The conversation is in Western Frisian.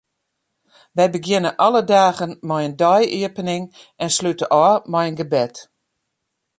Wy begjinne alle dagen mei in dei-iepening en slute ôf mei in gebed.